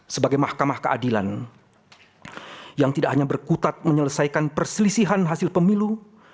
sebagai mahkamah keadilan yang tidak hanya berkutat menyelesaikan perselisihan hasil pemilu